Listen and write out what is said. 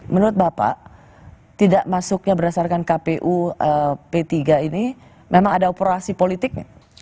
menurut bapak tidak masuknya berdasarkan kpu p tiga ini memang ada operasi politiknya